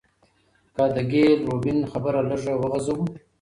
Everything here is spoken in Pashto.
که د ګيل روبين خبره لږه وغزوو